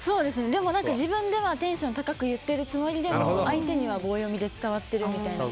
でも、自分ではテンション高く言っているつもりでも相手には棒読みで伝わってるみたいな。